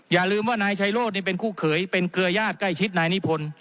อย่าลืมว่านายชัยโรธเป็นคู่เขยเป็นเครือญาติใกล้ชิดนายนิพนธ์